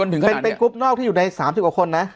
เป็นกรุ๊ปนอกที่อยู่ใน๓๐กว่าคนนะ